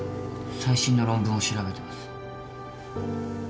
最新の論文を調べてます。